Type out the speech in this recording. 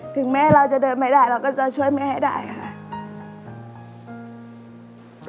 ถึงแม้เราจะเดินไม่ได้เราก็จะช่วยแม่ให้ได้ค่ะ